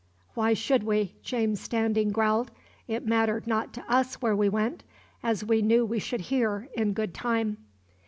"Why should we?" James Standing growled. "It mattered naught to us where we went, as we knew we should hear, in good time."